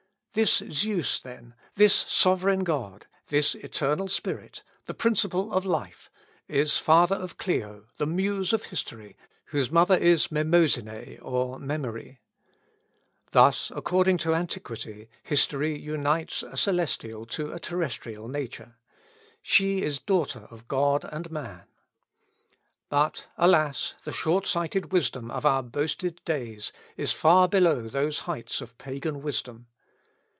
This Zeus, then, this Sovereign God, this Eternal Spirit, the principle of life, is father of Clio, the Muse of History, whose mother is Mnemosyne or Memory. Thus, according to antiquity, history unites a celestial to a terrestrial nature. She is daughter of God and man. But, alas! the short sighted wisdom of our boasted days is far below those heights of Pagan wisdom.